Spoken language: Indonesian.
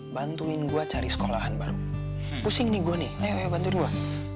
bantuin gue cari sekolahan baru pusing nih gue nih ayo bantu dua